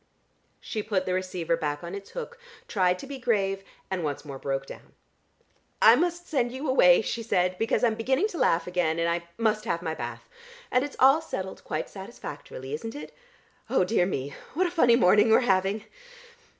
She put the receiver back on its hook, tried to be grave and once more broke down. "I must send you away," she said, "because I'm beginning to laugh again, and I must have my bath. And it's all settled quite satisfactorily, isn't it? Oh, dear me, what a funny morning we are having."